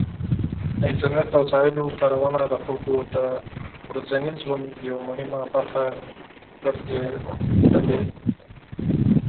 د انټرنیټ د وسایلو کارونه د خلکو د روزمره ژوند یو مهم برخه ګرځېدلې.